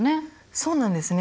そうなんですね